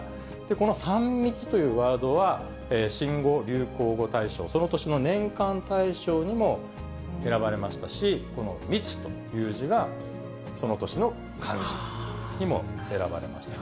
この３密というワードは、新語・流行語大賞、その年の年間大賞にも選ばれましたし、この密という字が、その年の漢字にも選ばれましたね。